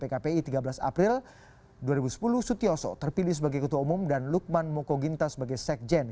pkpi tiga belas april dua ribu sepuluh sutioso terpilih sebagai ketua umum dan lukman moko ginta sebagai sekjen